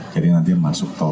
jadi nanti masuk tol